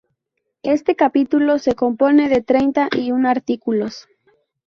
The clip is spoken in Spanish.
Este capítulo se compone de treinta y un artículos.